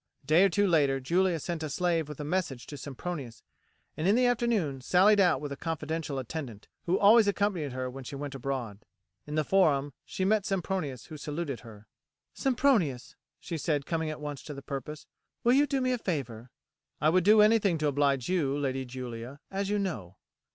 A day or two later Julia sent a slave with a message to Sempronius, and in the afternoon sallied out with a confidential attendant, who always accompanied her when she went abroad. In the Forum she met Sempronius, who saluted her. "Sempronius," she said coming at once to the purpose, "will you do me a favour?" "I would do anything to oblige you, Lady Julia, as you know."